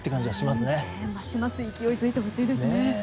ますます勢いづいてほしいですね。